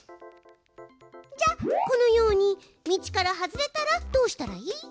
じゃあこのように道から外れたらどうしたらいい？